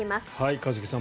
一茂さん